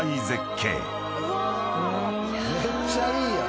めっちゃいいやん。